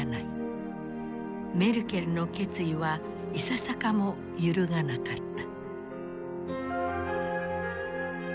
メルケルの決意はいささかも揺るがなかった。